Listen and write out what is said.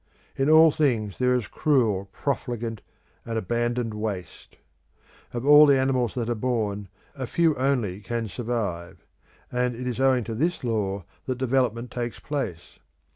In all things there is cruel, profligate, and abandoned waste. Of all the animals that are born a few only can survive; and it is owing to this law that development takes place.